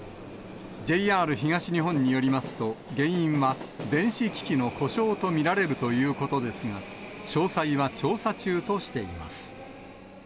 ＪＲ東日本によりますと、原因は電子機器の故障と見られるということですが、詳細は調査中としています。